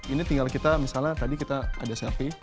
ini tinggal kita misalnya tadi kita ada sapi